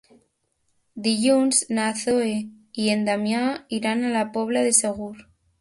Dilluns na Zoè i en Damià iran a la Pobla de Segur.